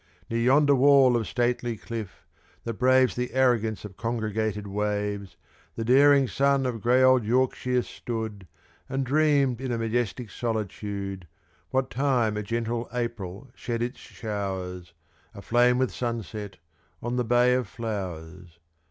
Near yonder wall of stately cliff, that braves The arrogance of congregated waves, The daring son of grey old Yorkshire stood And dreamed in a majestic solitude, What time a gentle April shed its showers, Aflame with sunset, on the Bay of Flowers.